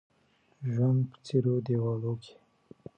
ژوند په څيرو دېوالو کې